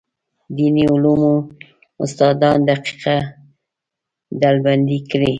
دیني علومو استادان دقیقه ډلبندي کړي.